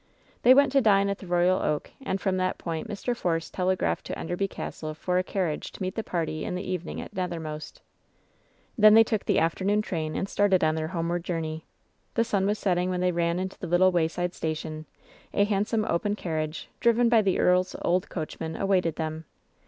They went to dine at the Royal Oak, and from that point Mr. Force telegraphed to Enderby Castle for a carriage to meet the party in the evening at Nethermost. LOVE'S BITTEREST CUE 847 Then they took the afternoon train and started on their homeward journey. The sun was setting when they ran into the little way side station. A handsome open carriage^ driven by the earFs old coachman, awaited them.